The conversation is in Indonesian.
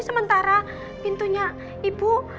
sementara pintunya ibu